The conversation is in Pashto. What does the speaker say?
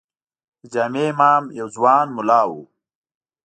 د جامع امام یو ځوان ملا و.